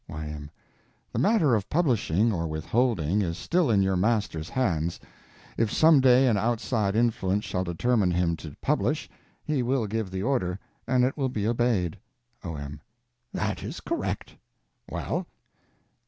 Y.M. The matter of publishing or withholding is still in your Master's hands. If some day an outside influence shall determine him to publish, he will give the order, and it will be obeyed. O.M. That is correct. Well?